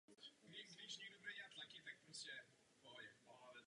V týmu drží rekord nejvíce vyhraných dvouher s dvaceti čtyřmi vítězstvími.